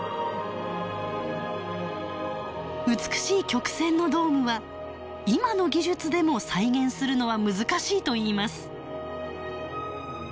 美しい曲線のドームは今の技術でも再現するのは難しいといいます。